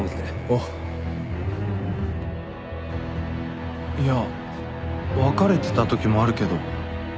おういやわかれてたときもあるけど。